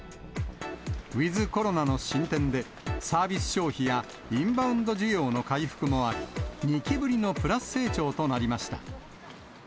ウィズコロナの進展で、サービス消費やインバウンド需要の回復もあり、２期ぶりのプラス成長となりました。